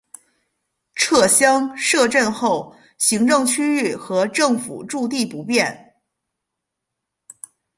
撤乡设镇后行政区域和政府驻地不变。